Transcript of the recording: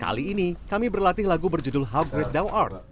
kali ini kami berlatih lagu berjudul how great thou art